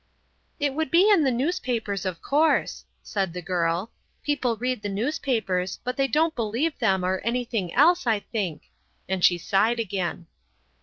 "It would be in the newspapers, of course," said the girl. "People read the newspapers, but they don't believe them, or anything else, I think." And she sighed again.